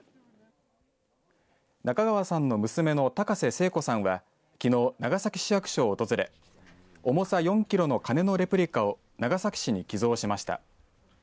中川さんの娘の高瀬聖子さんはきのう、長崎市役所を訪れ重さ４キロの鐘のレプリカを長崎市に寄贈しました。